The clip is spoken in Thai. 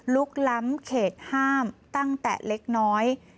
ล้ำเขตห้ามตั้งแต่เล็กน้อย